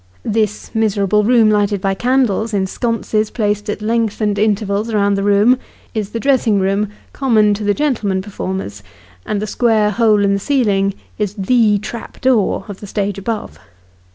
This miserable room, lighted by candles in sconces placed at lengthened intervals round the wall, is the dressing room, common to the gentlemen performers, and the square hole in the ceiling is the trap door of the stage above.